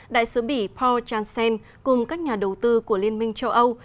đại sứ bỉ paul janssen cùng các nhà đầu tư của liên minh châu âu